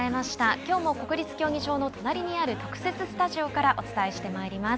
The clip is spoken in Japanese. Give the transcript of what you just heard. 今日も国立競技場の隣にある特設スタジオからお伝えしてまいります。